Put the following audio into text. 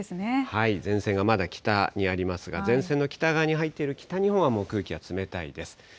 前線がまだ北にありますが、前線の北側に入っている北日本はもう空気は冷たいです。